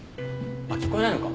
あっ聞こえないのか。